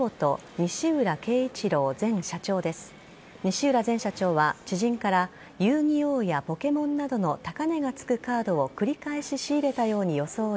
西浦前社長は知人から遊戯王やポケモンなどの高値がつくカードを繰り返し仕入れたように装い